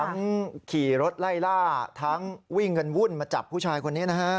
ขี่รถไล่ล่าทั้งวิ่งกันวุ่นมาจับผู้ชายคนนี้นะฮะ